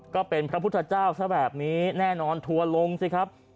ก็เป็นพระพุทธเจ้าซะแบบนี้แน่นอนทัวร์ลงสิครับ